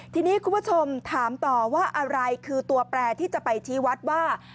ทีนี้คุณผู้ชมถามต่อว่าอะไรคือตัวแปรที่จะไปชี้วัดว่า